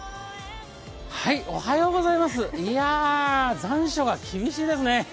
いや、残暑が厳しいですね。